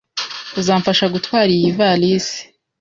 Uzamfasha gutwara iyi ivalisi?